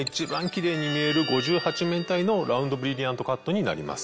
キレイに見える５８面体のラウンドブリリアントカットになります。